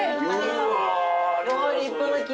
うわ立派な木！